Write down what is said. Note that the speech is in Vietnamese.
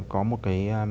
có một cái